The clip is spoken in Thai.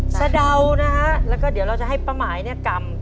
สะเดานะฮะแล้วก็เดี๋ยวเราจะให้ป้าหมายเนี่ยกำ